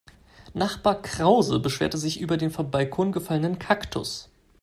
Nachbar Krause beschwerte sich über den vom Balkon gefallenen Kaktus.